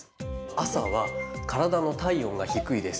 朝は体の体温が低いです。